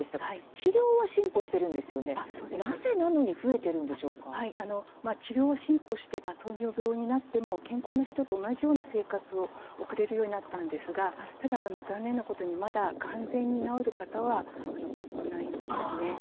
治療は進歩して糖尿病になっても健康な人と同じように生活を送れるようになったんですが残念なことに完全に治る方は多くないんですね。